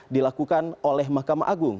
dilakukan oleh mahkamah agung